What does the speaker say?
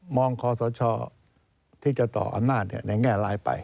มองคอร์โศชน์ที่จะต่ออำนาจในแง่รายไป